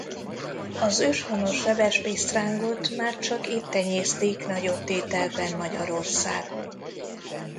Az őshonos sebes pisztrángot már csak itt tenyésztik nagyobb tételben Magyarországon.